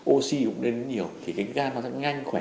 oxy cũng đến nhiều thì cái gan nó sẽ nhanh khỏe